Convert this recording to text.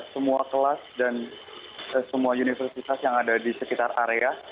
semua kelas dan semua universitas yang ada di sekitar area